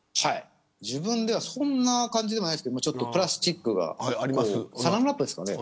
自分ではそんな感じでもないですけどプラスチックがありますよね。